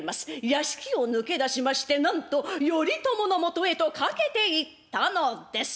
屋敷を抜け出しましてなんと頼朝のもとへと駆けていったのです。